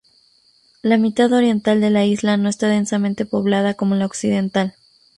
La mitad oriental de la isla no esta densamente poblada como la occidental.